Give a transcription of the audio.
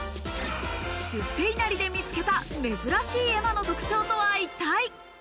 出世稲荷で見つけた、珍しい絵馬の特徴とは一体？